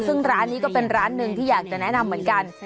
ซึ่งร้านนี้ก็เป็นร้านหนึ่งที่อยากจะแนะนำเหมือนกัน